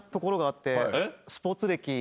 スポーツ歴。